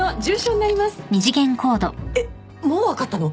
えっもう分かったの？